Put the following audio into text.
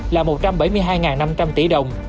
là một trăm bảy mươi hai năm trăm linh tỷ đồng